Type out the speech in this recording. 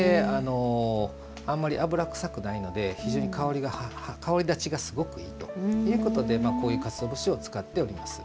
あんまり脂臭くないので非常に香りだちがすごくいいということでこういうかつお節を使っております。